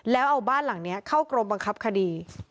แล้วเอาบ้านหลังนี้เข้ากรมบังคับคดี